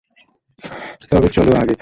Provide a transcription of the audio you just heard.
তবে, চলো আগে খাই।